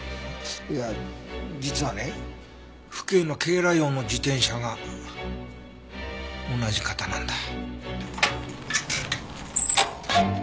いや実はね府警の警ら用の自転車が同じ型なんだ。